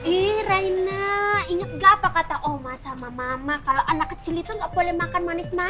eh reina inget gak apa kata oma sama mama kalau anak kecil itu gak boleh makan manis manis